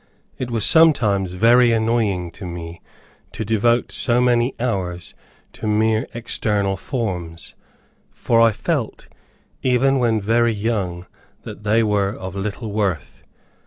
It was sometimes very annoying to me to devote so many hours to mere external forms; for I felt, even when very young, that they were of little worth.